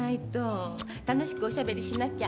楽しくおしゃべりしなきゃ。